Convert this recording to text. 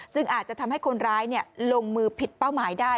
อาจจะทำให้คนร้ายลงมือผิดเป้าหมายได้